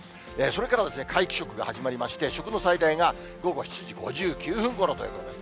それから皆既食が始まりまして、食の最大が午後７時５９分ごろということです。